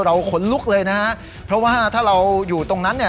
ขนลุกเลยนะฮะเพราะว่าถ้าเราอยู่ตรงนั้นเนี่ย